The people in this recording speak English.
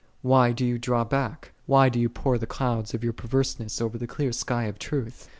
Why dost thou draw back ? Why dost thou pour the clouds of thy perverseness over the clear (sky) of truth